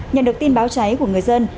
nhận được tin báo cháy của ngư dân